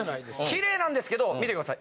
きれいなんですけど見てください。